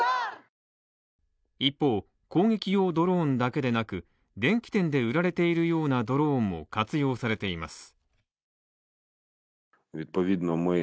一方、攻撃用ドローンだけでなく、電気店で売られているようなドローンも活用されています。